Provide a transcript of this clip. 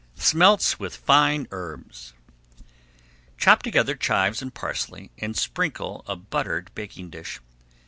SMELTS WITH FINE HERBS Chop together chives and parsley, and sprinkle a buttered baking dish.